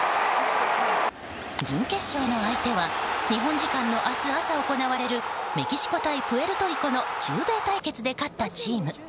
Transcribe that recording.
準決勝の相手は日本時間の明日朝行われるメキシコ対プエルトリコの中米対決で勝ったチーム。